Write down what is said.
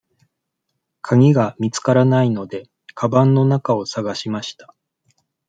かぎが見つからないので、かばんの中を探しました。